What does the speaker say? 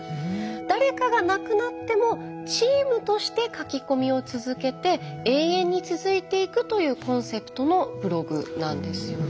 誰かが亡くなってもチームとして書き込みを続けて永遠に続いていくというコンセプトのブログなんですよね。